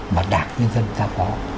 mà đảng nhân dân ta có